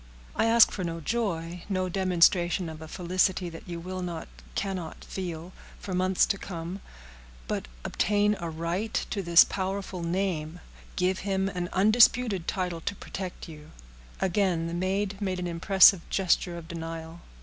"I ask for no joy—no demonstration of a felicity that you will not, cannot feel, for months to come; but obtain a right to his powerful name—give him an undisputed title to protect you—" Again the maid made an impressive gesture of denial.